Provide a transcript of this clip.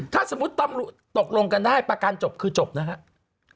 ถ้าสมมุติตำรวจตกลงกันได้ประกันจบคือจบนะครับ